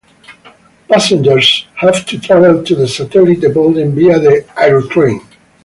Passengers have to travel to the satellite building via the Aerotrain.